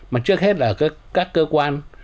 mà trước hết là các cơ quan